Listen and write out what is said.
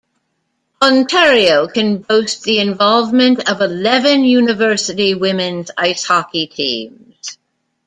Ontario can boast the involvement of eleven university women's ice hockey teams.